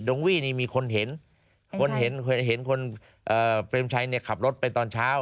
งวี่นี่มีคนเห็นคนเห็นเคยเห็นคนเปรมชัยเนี่ยขับรถไปตอนเช้า